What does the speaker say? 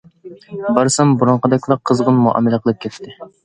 بارسام بۇرۇنقىدەكلا قىزغىن مۇئامىلە قىلىپ كەتتى.